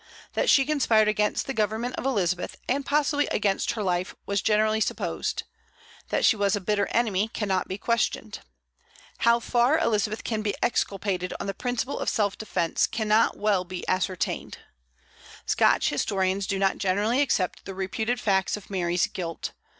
That she conspired against the government of Elizabeth, and possibly against her life, was generally supposed; that she was a bitter enemy cannot be questioned. How far Elizabeth can be exculpated on the principle of self defence cannot well be ascertained. Scotch historians do not generally accept the reputed facts of Mary's guilt.